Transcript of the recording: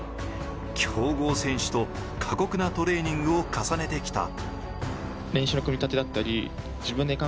強豪選手と過酷なトレーニングを重ねてきた。